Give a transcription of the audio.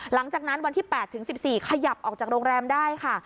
หลังจากที่วันที่๘ถึง๑๔ขยับออกจากโรงแรมได้ค่ะ